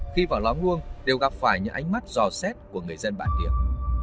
khi vào lóng luông đều gặp phải những người bán hàng rong